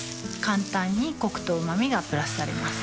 簡単にコクとうま味がプラスされます